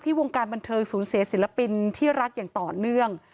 วงการบันเทิงสูญเสียศิลปินที่รักอย่างต่อเนื่อง